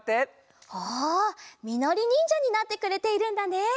おおみのりにんじゃになってくれているんだね。